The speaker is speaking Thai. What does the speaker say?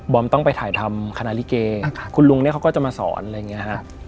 ต้องไปถ่ายทำคณะลิเกคุณลุงเนี่ยเขาก็จะมาสอนอะไรอย่างนี้ฮะ